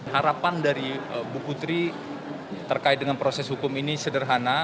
harapan dari bukutri terkait dengan proses hukum ini sederhana